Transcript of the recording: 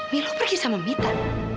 milo pergi sama mita